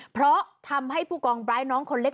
เพราะทำให้ผู้กองไบร์ทน้องคนเล็ก